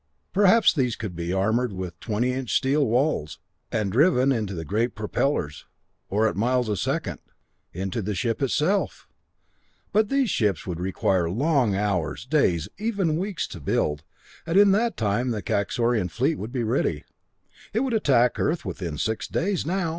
Perhaps these could be armored with twenty inch steel walls, and driven into the great propellers, or at miles a second, into the ship itself! But these ships would require long hours, days, even weeks to build, and in that time the Kaxorian fleet would be ready. It would attack Earth within six days now!